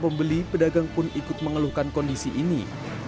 ada itu yang bumbu bumbu rp enam puluh tiga